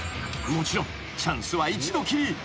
もちろんチャンスは一度きり］